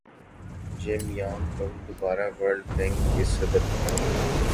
جم Yong Kim دوبارہ World Bank کے صدر منتخب